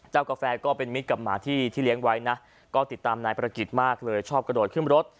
กาแฟก็เป็นมิตรกับหมาที่เลี้ยงไว้นะก็ติดตามนายประกิจมากเลยชอบกระโดดขึ้นรถ